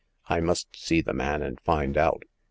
I must see the man and find out.